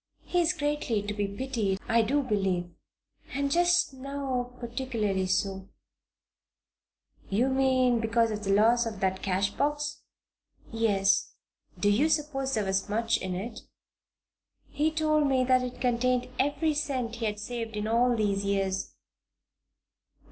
"He is greatly to be pitied, I do believe. And just now, particularly so." "You mean because of the loss of that cash box?" "Yes." "Do you suppose there was much in it?" "He told me that it contained every cent he had saved in all these years."